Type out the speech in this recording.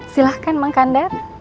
silahkan mang kandar